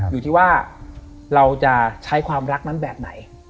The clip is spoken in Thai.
อยู่ที่ว่าเราจะใช้ความรักนั้นแบบไหน